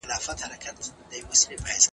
ماشوم د انا د ناڅاپي غوسې قرباني شو.